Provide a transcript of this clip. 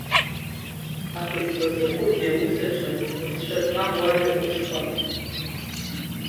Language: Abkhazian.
Аха изласыхәозеи аусаҿ лҵшәа змам уажәа ҟәышқәа?